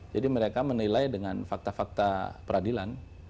jadi mereka menilai dengan fakta fakta peradilan